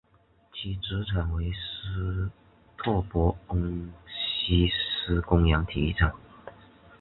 其主场为斯特伯恩希思公园体育场。